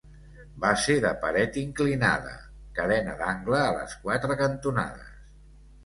Base de paret inclinada, cadena d'angle a les quatre cantonades.